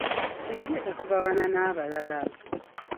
Tuyige okugabana n'abalala.